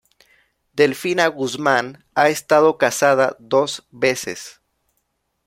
Delfina Guzmán ha estado casada dos veces.